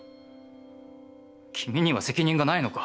君には責任がないのか」。